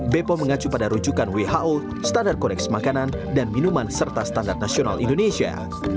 bepom mengacu pada rujukan who standar kodeks makanan dan minuman serta standar nasional indonesia